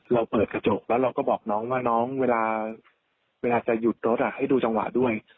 เปิดกระจกแล้วเราก็บอกน้องว่าน้องเวลาจะหยุดรถให้ดูจังหวะด้วย